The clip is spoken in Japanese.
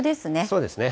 そうですね。